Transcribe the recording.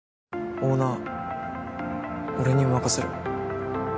オーナー俺に任せろよ。